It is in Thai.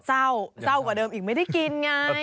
เศร้าเศร้ากว่าเดิมอีกไม่ได้กินไง